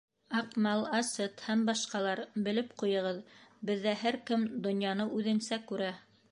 Аҡмал, Асет һәм башҡалар, белеп ҡуйығыҙ, беҙҙә һәр кем донъяны үҙенсә күрә.